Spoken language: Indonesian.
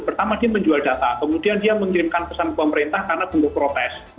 pertama dia menjual data kemudian dia mengirimkan pesan ke pemerintah karena bentuk protes